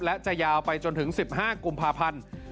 และจะยาวไปจนถึง๑๕กุมภาพันธ์